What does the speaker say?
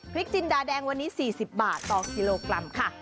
พริกจินดาแดงวันนี้สี่สิบบาทต่อกิโลกรัมค่ะ